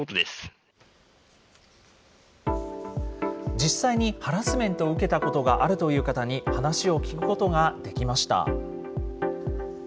実際にハラスメントを受けたことがあるという方に話を聞くことができました。